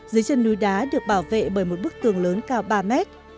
dưới chân núi đá được bảo vệ bởi một bức tường lớn cao ba mét